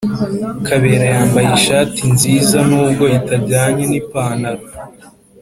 kabera yambaye ishati nziza nubwo itajyanye ni pantalo